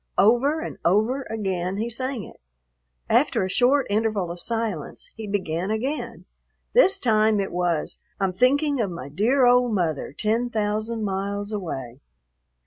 Over and over again he sang it. After a short interval of silence he began again. This time it was, "I'm thinking of my dear old mother, ten thousand miles away."